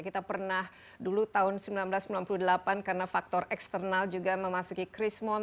kita pernah dulu tahun seribu sembilan ratus sembilan puluh delapan karena faktor eksternal juga memasuki krismon